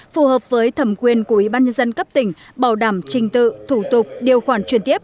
phù hợp với thẩm quyền của ubnd cấp tỉnh bảo đảm trình tự thủ tục điều khoản truyền tiếp